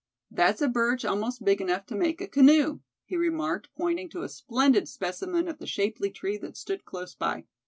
"That's a birch almost big enough to make a canoe," he remarked, pointing to a splendid specimen of the shapely tree that stood close by.